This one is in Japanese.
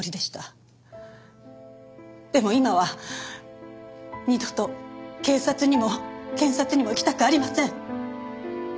でも今は二度と警察にも検察にも行きたくありません。